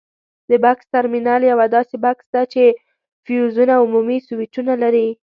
د بکس ترمینل یوه داسې بکس ده چې فیوزونه او عمومي سویچونه لري.